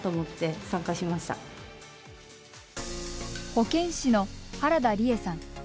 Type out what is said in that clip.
保健師の原田里衣さん。